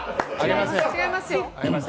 違います。